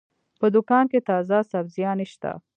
په دوکان کې تازه سبزيانې شته.